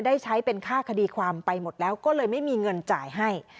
ได้ใช้เป็นค่าคดีความไปหมดแล้วก็เลยไม่มีเงินจ่ายให้